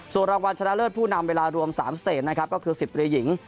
ส่วนรางวัลชนะเลิศผู้นำเวลารวม๓สเตจนะครับก็คือ๑๐ตรีหญิง